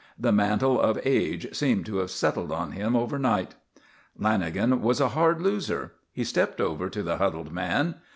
The mantle of age seemed to have settled on him overnight. Lanagan was a hard loser. He stepped over to the huddled man.